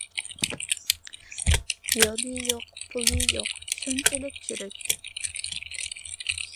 يولى يوق، پۇلى يوق شۇنچىلىك چۈرۈك.